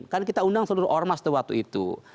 kan kita undang seluruh ormas tuh waktu itu